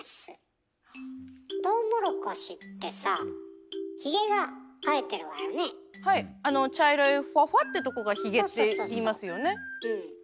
トウモロコシってさあの茶色いふわふわってとこがヒゲっていいますよね。